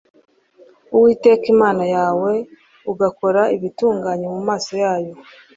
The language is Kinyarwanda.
Uwiteka Imana yawe ugakora ibitunganye mu maso yayo